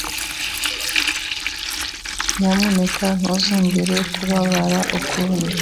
Nyamuneka ntuzongere kubabara ukundi.